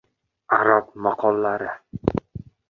Arab maqollari